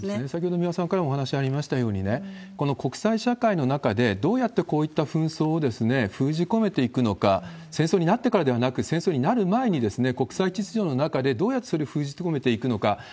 先ほど三輪さんからもお話ありましたようにね、この国際社会の中で、どうやってこういった紛争を封じ込めていくのか、戦争になってからではなく、戦争になる前に、国際秩序の中でどうやってそれを封じ込めていくのか。